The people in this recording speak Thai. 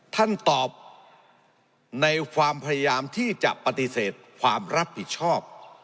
ท่านตอบในความพยายามที่จะปฏิเสธความรับผิดชอบ